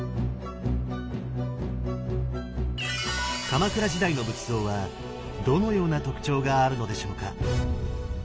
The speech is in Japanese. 鎌倉時代の仏像はどのような特徴があるのでしょうか？